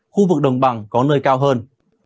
khu vực đồng bằng có nơi cao hơn